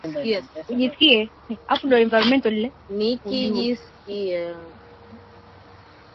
Ni mambo muhimu ya kushughulikiwa na serikali